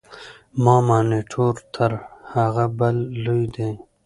دا مانیټور تر هغه بل لوی دی.